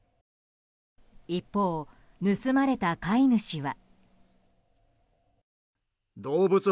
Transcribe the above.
一方、盗まれた飼い主は。